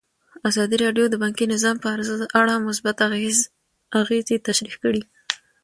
ازادي راډیو د بانکي نظام په اړه مثبت اغېزې تشریح کړي.